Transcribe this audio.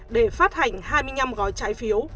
để phát hành hai mươi năm gói trái phiếu